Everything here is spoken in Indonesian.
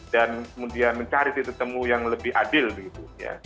dan kemudian mencari ditemu yang lebih adil begitu ya